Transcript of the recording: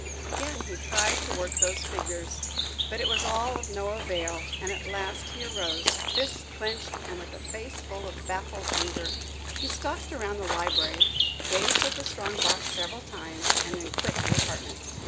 Again he tried to work the figures. But it was all of no avail, and at last he arose, fists clenched, and with a face full of baffled anger. He stalked around the library, gazed at the strong box several times, and then quit the apartment.